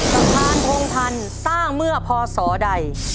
สะพานพงพันธ์สร้างเมื่อพศใด